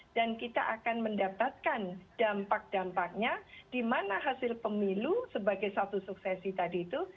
kita akan mendapatkan dampak dampaknya di mana hasil pemilu sebagai satu suksesi tadi itu